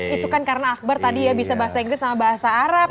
itu kan karena akbar tadi ya bisa bahasa inggris sama bahasa arab